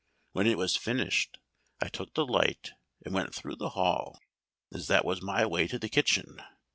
When it was finished, I took the light and went through the hall, as that was my way to the kitchen.